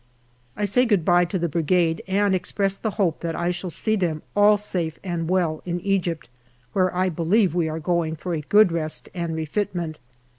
I say good bye to the Brigade and express the hope that I shall see them all safe and well in Egypt, where I believe we are going for a good rest and refitment.